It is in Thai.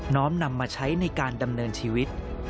้อมนำมาใช้ในการดำเนินชีวิต